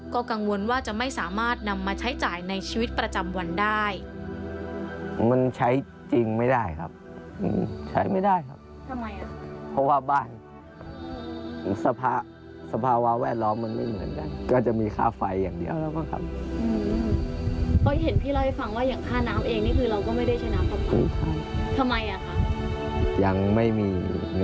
ก็กังวลว่าจะไม่สามารถนำมาใช้จ่ายในชีวิตประจำวันได้